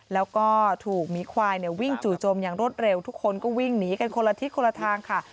แล้วก็ถูกหมีควายวิ่งจู่จมอย่างรวดเร็วทุกคนก็วิ่งหนีกันคนละทิศคนละทางค่ะ